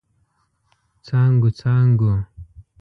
څانګو، څانګو